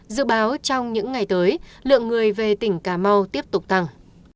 dự báo trong những ngày tới lượng người về tỉnh cà mau tiếp tục tăng